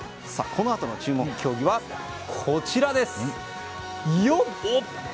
このあとの注目競技はこちらです。